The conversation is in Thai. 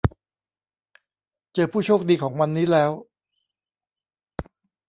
เจอผู้โชคดีของวันนี้แล้ว